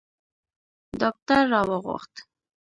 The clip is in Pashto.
ډاکتر را وغوښت.